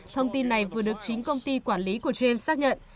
thông tin này vừa được chính công ty quản lý của james xác nhận